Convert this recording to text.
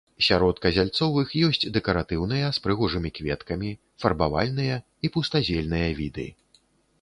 Сярод казяльцовых ёсць дэкаратыўныя з прыгожымі кветкамі, фарбавальныя і пустазельныя віды.